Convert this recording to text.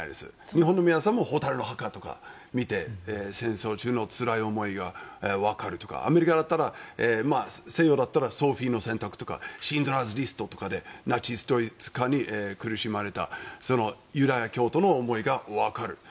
日本の皆さんも「火垂るの墓」とか見て戦争中のつらい思いがわかるとかアメリカだったら西洋だったら「シンドラーズリスト」とかナチス・ドイツ下に苦しまれたユダヤ教徒の思いがわかる。